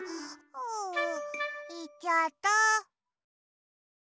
あいっちゃった。